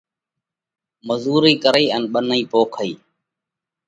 مزُورئي ڪرئِي، ٻنَئِي پوکئِي